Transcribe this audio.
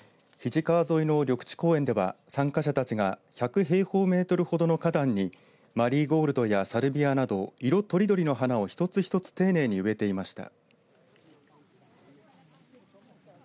このうち肱川沿いの緑地公園では参加者たちが１００平方メートルほどの花壇にマリーゴールドやサルビアなど色とりどりの花を一つ一つ丁寧に植えていました。